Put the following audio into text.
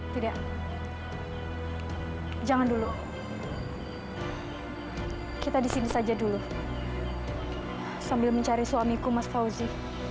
tidak jangan dulu kita di sini saja dulu sambil mencari suamiku mas fauzi